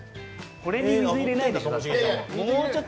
これに水入れないでしょ。